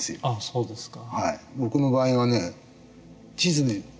そうですか。